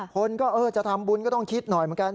คนก็จะทำบุญก็ต้องคิดหน่อยเหมือนกัน